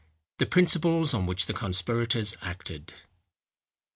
THE PRINCIPLES ON WHICH THE CONSPIRATORS ACTED.